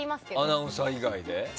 アナウンサー以外で。